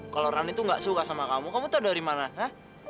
kalau rani tuh gak suka sama kamu kamu tau dari mana ha